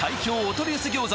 取り寄せ餃子